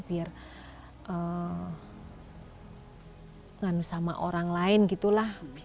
biar nganu sama orang lain gitu lah